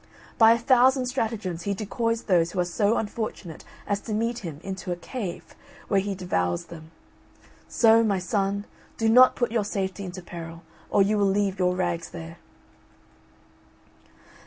By a thousand stratagems he decoys those who are so unfortunate as to meet him into a cave, where he devours them. So, my son, do not put your safety into peril, or you will leave your rags there."